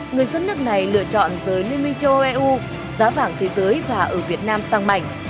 người dân nước này lựa chọn giới liên minh châu âu eu giá vàng thế giới và ở việt nam tăng mạnh